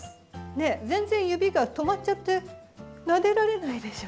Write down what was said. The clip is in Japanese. ねえ全然指が止まっちゃってなでられないでしょ？